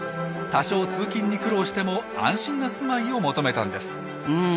多少通勤に苦労しても安心な住まいを求めたんです。